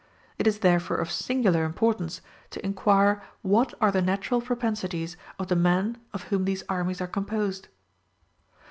It is therefore of singular importance to inquire what are the natural propensities of the men of whom these armies are composed.